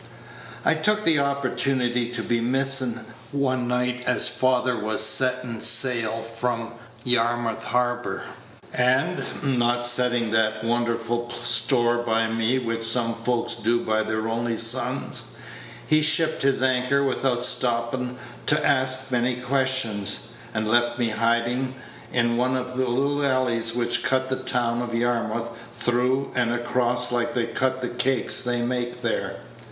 I took the opportunity to be missin' one night as father was settin' sail from Yarmouth Harbor; and, not settin' that wonderful Page 100 store by me which some folks do by their only sons, he shipped his anchor without stoppin' to ask many questions, and left me hidin' in one of the little alleys which cut the town of Yarmouth through and across like they cut the cakes they make there.